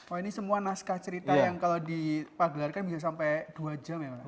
oh ini semua naskah cerita yang kalau dipagelarkan bisa sampai dua jam ya pak